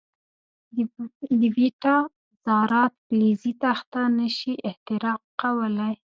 د بیټا ذرات فلزي تخته نه شي اختراق کولای.